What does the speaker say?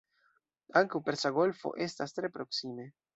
Ankaŭ Persa Golfo estas tre proksime.